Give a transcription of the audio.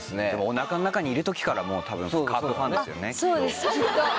おなかの中にいる時から多分カープファンですよねきっと。